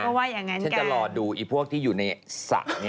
เขาก็ว่าอย่างนั้นกันฉันจะรอดูพวกที่อยู่ในศักดิ์นี่